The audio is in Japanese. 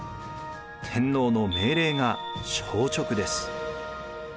天皇の命令が「詔勅」です。